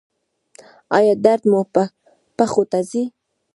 ایا درد مو پښو ته ځي؟